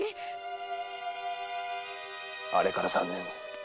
あれから三年。